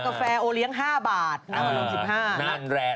สนุนโดยดีที่สุดคือการให้ไม่สิ้นสุด